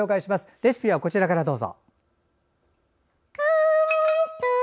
レシピは、こちらからどうぞ。